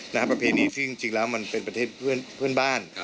นะครับประเภทนี้จริงแล้วมันเป็นประเทศเพื่อนบ้าน